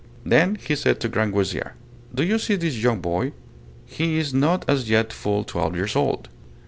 Then he said to Grangousier, Do you see this young boy? He is not as yet full twelve years old.